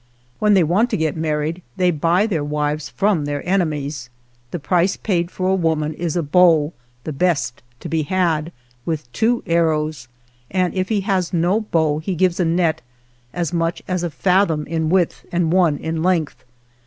When they want to get married they buy their wives from their enemies. The price paid for a woman is a bow, the best to be had, ALVAR NUNEZ CABEZA DE VACA with two arrows, and if he has no bow he gives a net as much as a fathom in width and one in length.